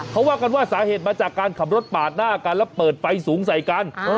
เขาว่ากันว่าสาเหตุมาจากการขับรถปาดหน้ากันแล้วเปิดไฟสูงใส่กัน